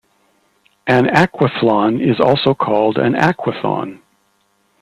An aquathlon is also called an aquathon.